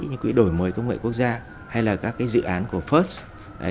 những quỹ đổi mới công nghệ quốc gia hay là các dự án của quốc gia